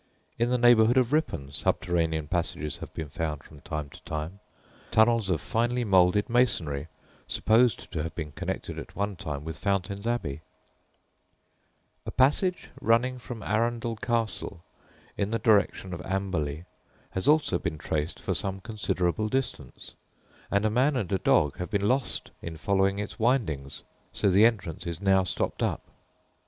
In the neighbourhood of Ripon subterranean passages have been found from time to time tunnels of finely moulded masonry supposed to have been connected at one time with Fountains Abbey. [Footnote 1: See Marquis of Lorne's (Duke of Argyll) Governor's Guide to Windsor.] A passage running from Arundel Castle in the direction of Amberley has also been traced for some considerable distance, and a man and a dog have been lost in following its windings, so the entrance is now stopped up.